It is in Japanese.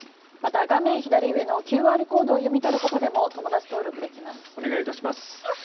また、画面左上のＱＲコードを読み取ることでもお願いいたします。